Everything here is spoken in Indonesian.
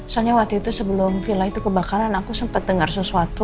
soalnya waktu itu sebelum villa itu kebakaran aku sempat dengar sesuatu